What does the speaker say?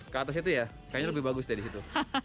ke atas itu ya kayaknya lebih bagus dari situ